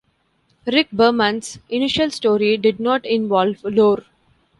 Rick Berman's initial story did not involve Lore.